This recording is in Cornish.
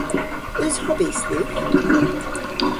Eus hobis dhywgh?